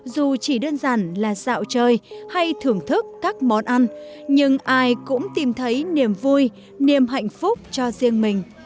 dù chỉ đơn giản là dạo chơi hay thưởng thức các món ăn nhưng ai cũng tìm thấy niềm vui niềm hạnh phúc cho riêng mình